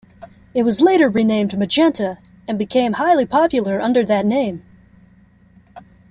It was later renamed magenta, and became highly popular under that name.